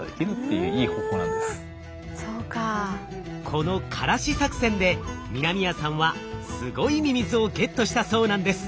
このカラシ作戦で南谷さんはすごいミミズをゲットしたそうなんです。